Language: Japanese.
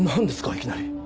いきなり。